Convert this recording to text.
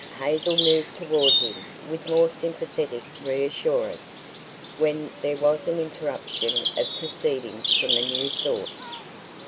Hazel moved toward him with more sympathetic reassurance, when there was an interruption of proceedings from a new source.